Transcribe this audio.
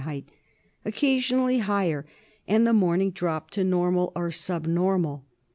occasionally higher, and the morning drop to normal or sub normal.